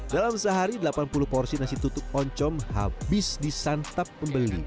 dalam sehari delapan puluh porsi nasi tutup oncom habis disantap pembeli beli ini ya